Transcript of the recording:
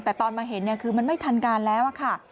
แต่ตอนมาเห็นคือมันไม่ทันการแล้วค่ะ